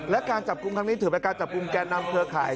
และการจับกลุ่มครั้งนี้ถือเป็นการจับกลุ่มแก่นำเครือข่าย